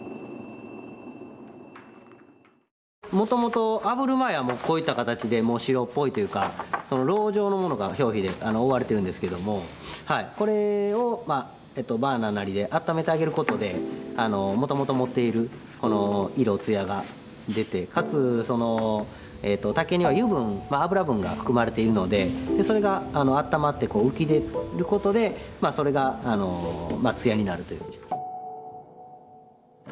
もともとあぶる前はこういった形で白っぽいというかロウ状のものが表皮で覆われてるんですけどもこれをバーナーなりであっためてあげることでもともと持っている色艶が出てかつ竹には油分が含まれているのでそれがあったまってこう浮き出ることでそれが艶になるというね。